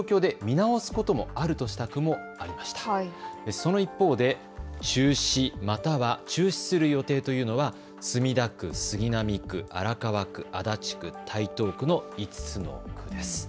その一方で中止、または中止する予定というのは墨田区、杉並区、荒川区、足立区、台東区の５つの区です。